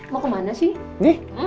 mau ke mana sih